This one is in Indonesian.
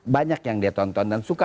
banyak yang dia tonton dan suka